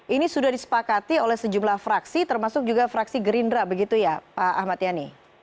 ini sudah disepakati oleh sejumlah fraksi termasuk juga fraksi gerindra begitu ya pak ahmad yani